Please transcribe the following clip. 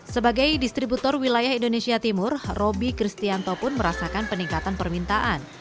sebagai distributor wilayah indonesia timur roby kristianto pun merasakan peningkatan permintaan